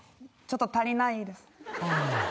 ちょっと足りないです。